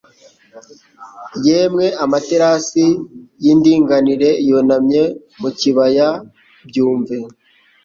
Yemwe amaterasi y'indinganire yunamye mu kibaya byumve ...